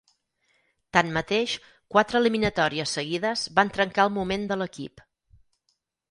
Tanmateix, quatre eliminatòries seguides van trencar el moment de l'equip.